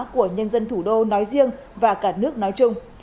của nhân dân thủ đô nói riêng và cả nước nói chung